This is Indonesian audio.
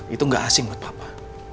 itu gak asing buat apa